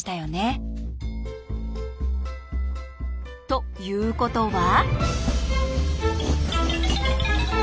ということは。